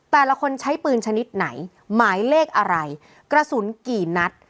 แต่ละคนใช้ปืนชนิดไหนหมายเลขอะไรกระสุนกี่นัด